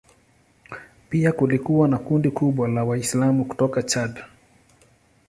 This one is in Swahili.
Pia kulikuwa na kundi kubwa la Waislamu kutoka Chad.